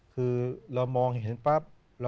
คือเรามองเห็นปั๊บ